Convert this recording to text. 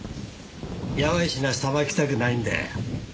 やばい品はさばきたくないんだよ。